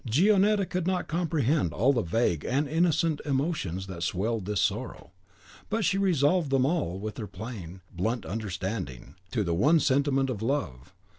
Gionetta could not comprehend all the vague and innocent emotions that swelled this sorrow; but she resolved them all, with her plain, blunt understanding, to the one sentiment of love.